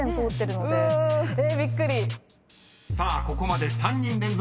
［さあここまで３人連続正解］